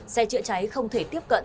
xe chữa cháy không thể tiếp cận